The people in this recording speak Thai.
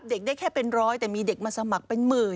เด็กได้แค่เป็นร้อยแต่มีเด็กมาสมัครเป็นหมื่น